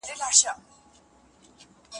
نور نو هېڅ نهښکارېده